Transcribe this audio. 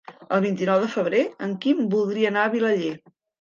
El vint-i-nou de febrer en Quim voldria anar a Vilaller.